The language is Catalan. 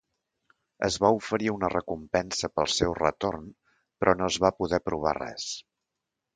Es va oferir una recompensa pel seu retorn, però no es va poder provar res.